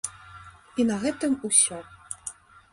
І на гэтым усё.